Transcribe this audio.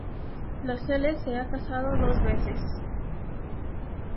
Lascelles se ha casado dos veces.